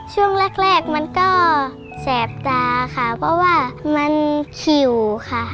ช่วงแรกมันก็แสบตาค่ะเพราะว่ามันหิวค่ะ